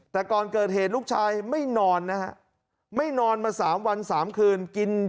แต่ก่อนเกิดเหตุลูกชายไม่นอนนะครับไม่นอนมาสามวันสามคืน